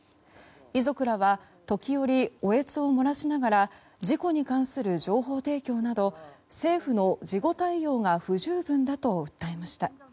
遺族らは時折嗚咽を漏らしながら事故に関する情報提供など政府の事後対応が不十分だと訴えました。